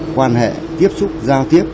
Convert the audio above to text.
quan hệ tiếp xúc giao tiếp